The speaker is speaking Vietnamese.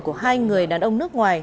của hai người đàn ông nước ngoài